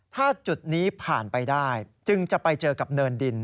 ถ้าจุดนี้ผ่านไปได้จึงจะไปเจอกับเนินดิน